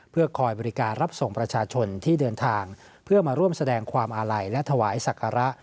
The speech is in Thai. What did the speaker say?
เพื่อคอยบริการรับส่งประชาชนที่เดินทางเพื่อมาร่วมแสดงความอาลัยและถวายศักระ